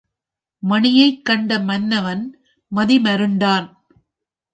மணியைக் கண்ட மன்னவன் மதி மருண்டான்.